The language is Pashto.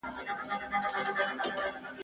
نه دي دوبی نه دي ژمی در معلوم دی !.